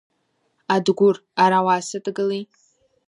Адгәыр, ара уаасыдгыли.